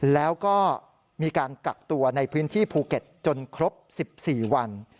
แล้วก็มีการกักตัวในพื้นที่ภูเก็ตจนครบ๑๔วัน